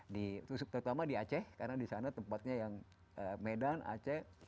terutama di aceh karena di sana tempatnya yang medan aceh